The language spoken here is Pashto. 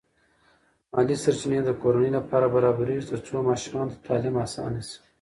مالی سرچینې د کورنۍ لپاره برابرېږي ترڅو ماشومانو ته تعلیم اسانه شي.